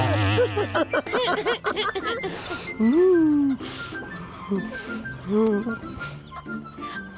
อื้อ